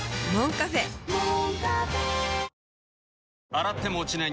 洗っても落ちない